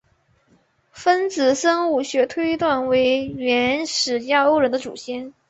分子生物学推断为原始亚欧人的祖先。